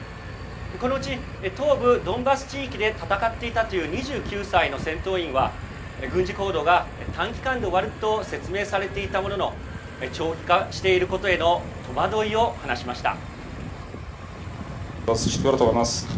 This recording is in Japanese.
このうち、東部ドンバス地域で戦っていたという２９歳の戦闘員は、軍事行動が短期間で終わると説明されていたものの長期化していることへの戸惑いを話しました。